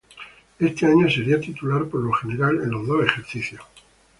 Este año sería titular por lo general en los dos ejercicios.